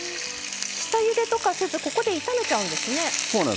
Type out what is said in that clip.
下ゆでとかせずここで炒めちゃうんですね。